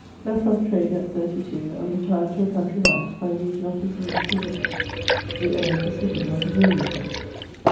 Left off trade at 32, and retired to a countrey life, by reason of his indisposition, the ayre of the citie not agreing with him.